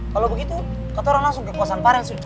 kalau begitu kau taruh langsung kekuasan farel sud